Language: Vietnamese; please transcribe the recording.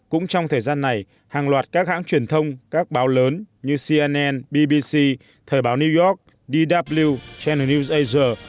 cũng trong thời gian này hàng loạt các hãng truyền thông các báo lớn như cnn bbc thời báo new york dw chan news asia